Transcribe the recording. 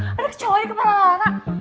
ada kecowok di kepala lo